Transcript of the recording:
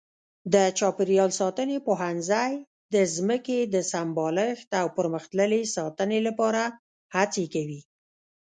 د چاپېریال ساتنې پوهنځی د ځمکې د سمبالښت او پرمختللې ساتنې لپاره هڅې کوي.